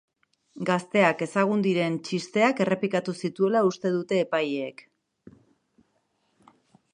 Gazteak ezagun diren txisteak errepikatu zituela uste dute epaileek.